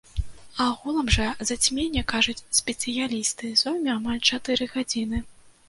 Агулам жа зацьменне, кажуць спецыялісты, зойме амаль чатыры гадзіны.